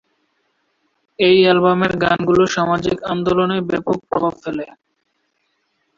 এই অ্যালবামের গানগুলো সামাজিক আন্দোলনে ব্যাপক প্রভাব ফেলে।